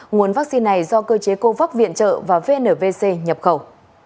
nguồn vaccine này do cơ chế cô vắc viện trợ và vnvc nhập khẩu